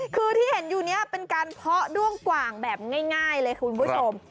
คือที่เห็นอยู่นี้เป็นการเพาะด้วงกว่างแบบง่ายเลยคุณผู้ชม